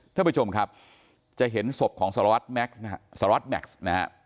ท่านผู้ชมครับจะเห็นศพของสลัดแม็กซ์นะครับ